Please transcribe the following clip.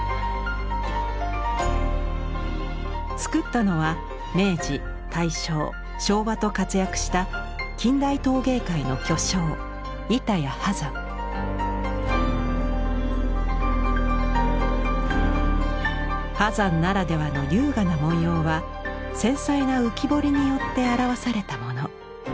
作ったのは明治大正昭和と活躍した近代陶芸界の巨匠波山ならではの優雅な文様は繊細な浮き彫りによって表されたもの。